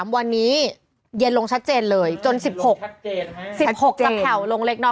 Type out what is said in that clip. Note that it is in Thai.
๑๓๑๔๑๕๓วันนี้เย็นลงชัดเจนเลยจน๑๖แถวลงเล็กนอก